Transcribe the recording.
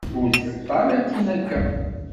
Ur teṭṭal akkin akka.